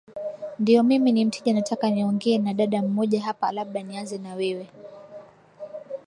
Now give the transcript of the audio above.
ndiyo mimi ni mteja nataka niongee na dada mmoja hapa labda nianze na wewe